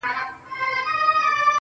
خو هغه ليونۍ وايي.